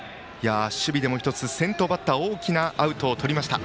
守備でも１つ先頭バッターに対して大きなアウトをとりました。